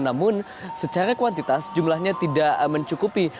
namun secara kuantitas jumlahnya tidak mencukupi